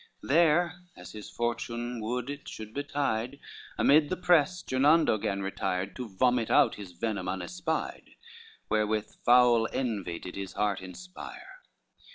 XXVI There, as his fortune would it should betide, Amid the press Gernando gan retire, To vomit out his venom unespied, Wherewith foul envy did his heart inspire.